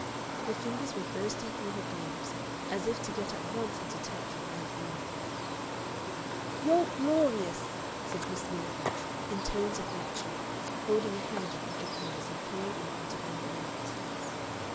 Her fingers were bursting through her gloves, as if to get at once into touch with Ann Veronica. "You're Glorious!" said Miss Miniver in tones of rapture, holding a hand in each of hers and peering up into Ann Veronica's face.